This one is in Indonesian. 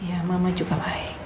ya mama juga baik